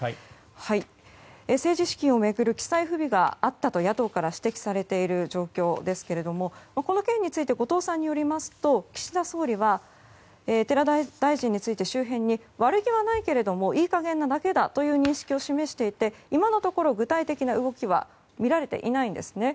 政治資金を巡る記載不備があったと野党から指摘されている状況ですけれどもこの件について後藤さんによりますと岸田総理は寺田大臣について周辺に、悪気はないけれどもいいかげんなだけだという認識を示していて今のところ、具体的な動きは見られていないんですね。